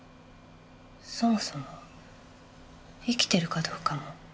そもそも生きてるかどうかも。